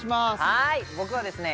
はい僕はですね